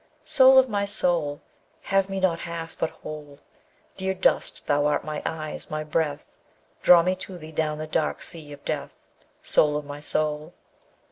Soul of my soul! Have me not half, but whole. Dear dust, thou art my eyes, my breath! Draw me to thee down the dark sea of death, Soul of my soul!